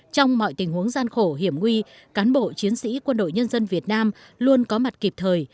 trong mọi tình huống gian khổ hiểm nguy cán bộ chiến sĩ quân đội nhân dân việt nam luôn có mặt kịp thời